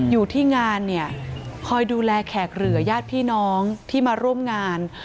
อยู่ที่งานเนี่ยคอยดูแลแขกเหลือญาติพี่น้องที่มาร่วมงาน